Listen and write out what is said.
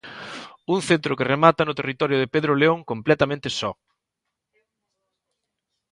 Un centro que remata no territorio de Pedro León, completamente só.